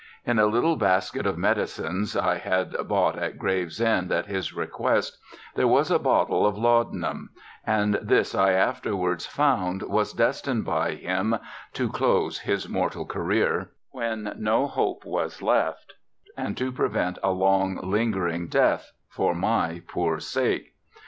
In a little basket of medicines I had bought at Gravesend at his request there was a bottle of laudanum, and this I afterwards found was destined by him "to close his mortal career," when no hope was left, and to prevent a long, lingering death, for my poor sake.